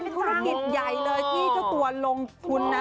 กลิ่นใหญ่เลยพี่เขาตัวลงทุนนะ